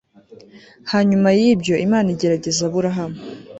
hanyuma y ibyo imana igerageza aburahamu